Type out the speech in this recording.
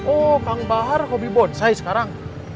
oh kang bahar hobi bonsai sekarang